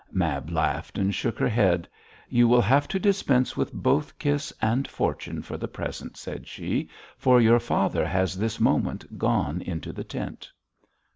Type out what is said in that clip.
Mab laughed and shook her head. 'You will have to dispense with both kiss and fortune for the present,' said she, 'for your father has this moment gone into the tent.'